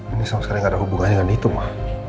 ini sama sekali gak ada hubungannya dengan itu mah